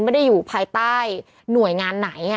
ไม่ได้อยู่ภายใต้หน่วยงานไหน